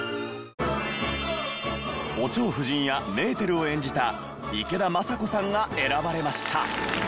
お蝶夫人やメーテルを演じた池田昌子さんが選ばれました。